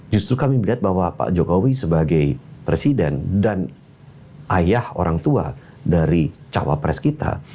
justru kami melihat bahwa pak jokowi sebagai presiden dan ayah orang tua dari cawapres kita